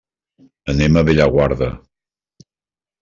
Anem a Bellaguarda.